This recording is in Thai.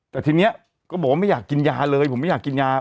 แต่ทีนี้ก็บอกว่าไม่อยากกินยาเลยผมไม่อยากกินยา